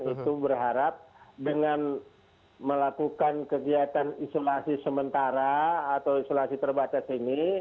itu berharap dengan melakukan kegiatan isolasi sementara atau isolasi terbatas ini